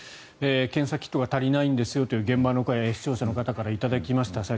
検査キットが足りないんですよという現場の声、視聴者の方から頂きました。